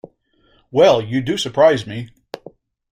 Well, you do surprise me!